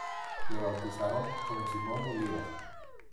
La bautizaron como Simón Bolívar.